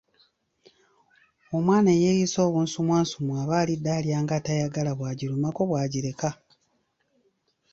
Omwana eyeriisa obunsumwansumwa aba alidde alya ngatayagala, bwagirumako bwagireka.